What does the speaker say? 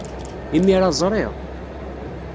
Imir-a ẓriɣ.